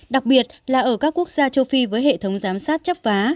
đặc biệt là ở các quốc gia châu phi với hệ thống giám sát chấp vá